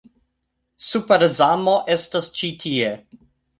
Super-Zamo estas ĉi tie